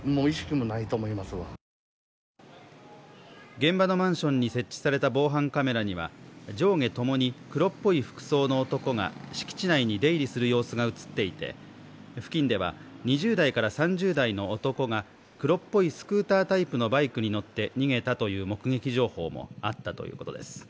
現場のマンションに設置された防犯カメラには上下ともに黒っぽい服装の男が敷地内に出入りする様子が映っていて付近では２０代から３０代の男が黒っぽいスクータータイプのバイクに乗って逃げたという目撃情報もあったということです。